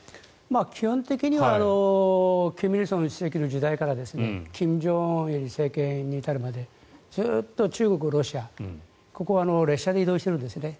基本的には金日成主席の時代から金正日政権に至るまでずっと中国、ロシアここは列車で移動しているんですね。